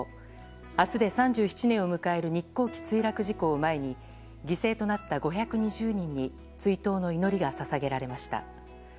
明日で３７年を迎える日航機墜落事故を前に犠牲となった５２０人に追悼の祈りが捧げられました。